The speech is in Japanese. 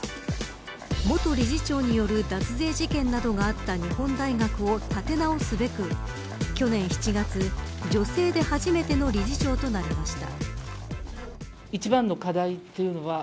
元理事長による脱税事件などがあった日本大学を立て直すべく去年７月女性で初めての理事長となりました。